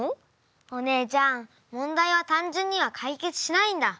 お姉ちゃん問題は単じゅんには解決しないんだ。